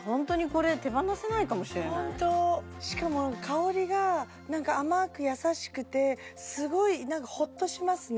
しかも香りが甘く優しくてすごいホッとしますね